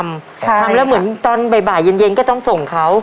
ทำแล้วเหมือนตอนบ่ายเย็นเย็นก็ต้องส่งเขา